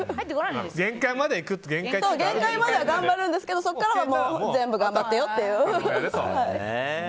限界までは頑張るんですけどそこからは全部頑張ってよっていう。